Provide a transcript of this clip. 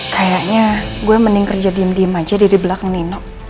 kayaknya gue mending kerja diem diem aja dari belakang nino